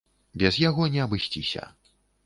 Без яго не абысціся.